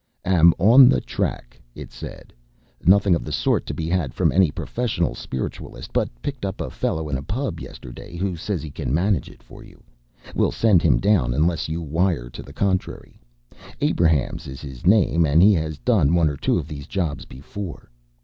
"Am on the track," it said. "Nothing of the sort to be had from any professional spiritualist, but picked up a fellow in a pub yesterday who says he can manage it for you. Will send him down unless you wire to the contrary. Abrahams is his name, and he has done one or two of these jobs before."